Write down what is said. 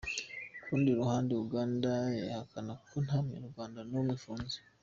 Ku rundi ruhande, Uganda ihakana ko nta Munyarwanda n’umwe ifunze.